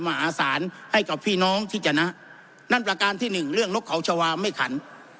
มหาศาลให้กับพี่น้องที่จนะนั่นประการที่หนึ่งเรื่องนกเขาชาวาไม่ขัน